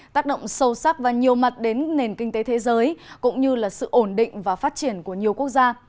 tác động sâu sắc và nhiều mặt đến nền kinh tế thế giới cũng như sự ổn định và phát triển của nhiều quốc gia